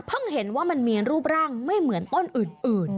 เพิ่งเห็นว่ามันเหมียนรูปร่างไม่เหมือนต้นอื่น